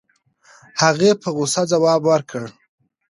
هغې په غوسه ځواب ورکړ.